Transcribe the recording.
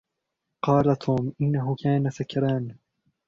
قال توم: إنه كان سكران